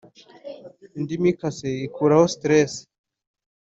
Indimu ikase ikuraho stress